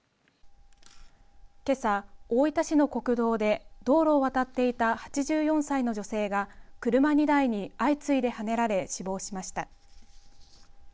けさ、大分市の国道で道路を渡っていた８４歳の女性が車２台に相次いで、はねられ死亡しました。